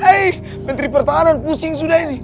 hei menteri pertahanan pusing sudah ini